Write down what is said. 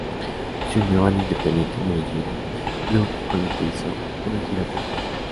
Se unió al Independiente Medellín, club con el que hizo una gira por Quito.